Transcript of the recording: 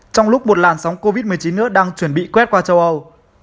trong lúc một làn sóng covid một mươi chín nước đang chuẩn bị quét qua châu âu